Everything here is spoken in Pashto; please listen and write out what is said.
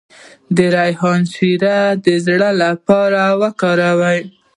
د ریحان شیره د زړه لپاره وکاروئ